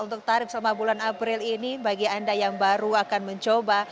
untuk tarif selama bulan april ini bagi anda yang baru akan mencoba